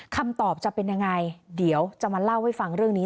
คำตอบจะเป็นยังไงเดี๋ยวจะมาเล่าให้ฟังเรื่องนี้